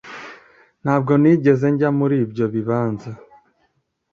Ntabwo nigeze njya muri ibyo bibanza